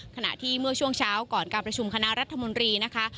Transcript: ขณะที่เมื่อช่วงเช้าก่อนการประชุมคณะรัฐมนตรีนะคะ